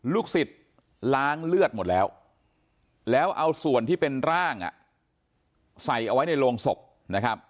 ศิษย์ล้างเลือดหมดแล้วแล้วเอาส่วนที่เป็นร่างใส่เอาไว้ในโรงศพนะครับ